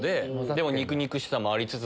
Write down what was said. でも肉々しさもありつつ。